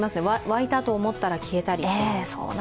湧いたと思ったら消えたり。